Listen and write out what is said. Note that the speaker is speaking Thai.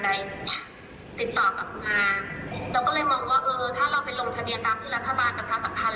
แต่ว่าถ้ารัฐบาลไม่สรรพือแบบว่าช่วยไปถึงอย่างนี้มันก็ยังลำบากค่ะ